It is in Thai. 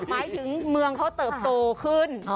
หมายถึงเมืองเขาเติบโตขึ้น